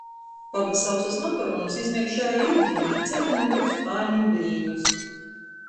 Baba sausus makaronus izmeikšēja iudinī i cepe nu jūs bārnim blīņus.